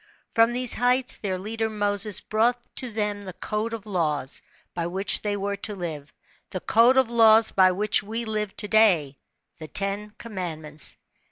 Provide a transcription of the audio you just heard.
From these heights their leader Moses brought to them the c^de of laws, by which they were to live, the code of laws by which we Irve to day the Ten Commandments.